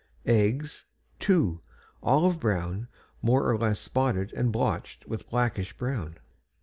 EGGS Two, olive brown, more or less spotted and blotched with blackish brown.